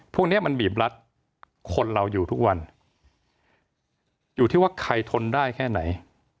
พวกนี้มันบีบรัดคนเราอยู่ทุกวันอยู่ที่ว่าใครทนได้แค่ไหน